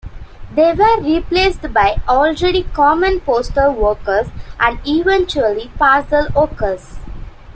They were replaced by already common Postal Workers and eventually Parcel Workers.